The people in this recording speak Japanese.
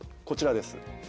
こちらです。